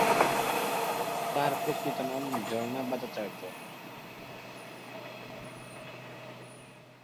তার প্রকৃত নাম ঝরনা বাজাচার্য।